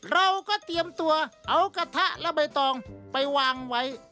เราก็เตรียมตัวเอากระทะและใบตองไปวางไว้